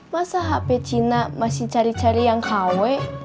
masa hp cina masih cari cari yang kw